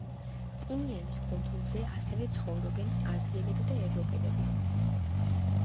ტინიანის კუნძულზე ასევე ცხოვრობენ აზიელები და ევროპელები.